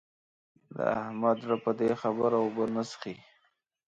د احمد زړه پر دې خبره اوبه نه څښي.